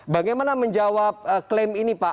bagaimana menjawab klaim ini pak